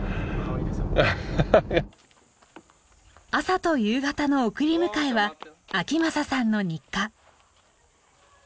朝と夕方の送り迎えは章匡さんの日課。